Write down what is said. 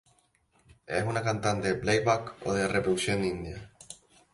Es una cantante de playback o de reproducción india.